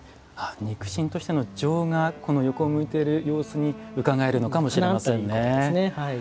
肉親としての情が横を向いている様子にうかがえるかもしれませんね。